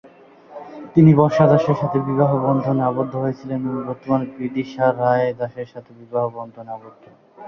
তিনি বর্ষা দাসের সাথে বিবাহবন্ধনে আবদ্ধ হয়েছিলেন এবং বর্তমানে বিদিশা রায় দাসের সাথে বিবাহবন্ধনে আবদ্ধ।